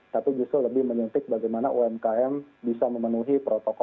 tapi justru lebih menyuntik bagaimana umkm bisa memenuhi protokol